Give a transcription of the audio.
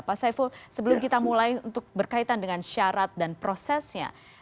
pak saiful sebelum kita mulai untuk berkaitan dengan syarat dan prosesnya